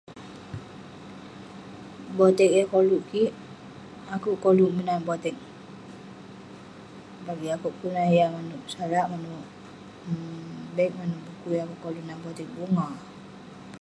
Botek yah koluk kik, akouk koluk menat botek..bagik akouk pun lah yah manouk salak, manouk um bag, manouk bukui..akouk koluk menat botek bunga..